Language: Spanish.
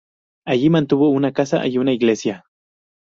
Allí mantuvo una casa y una iglesia.